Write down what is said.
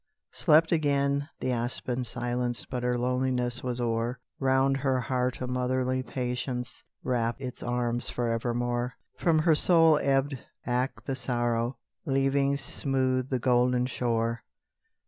Slept again the aspen silence, But her loneliness was o'er; Round her heart a motherly patience Wrapt its arms for evermore; From her soul ebbed back the sorrow, Leaving smooth the golden shore.